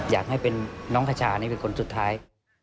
อยากให้เป็นน้องคชานี่เป็นคนสุดท้าย